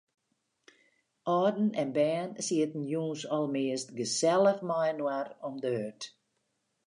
Alden en bern sieten jûns almeast gesellich mei-inoar om de hurd.